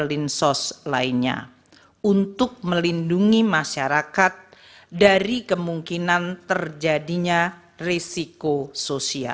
lebih lanjut penjelasan dalam pasal delapan ayat dua huruf a angka sebelas undang undang apbn dua ribu dua puluh empat